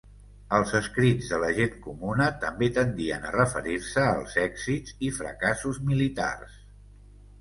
Els escrits de la gent comuna, també tendien a referir-se als èxits i fracassos militars.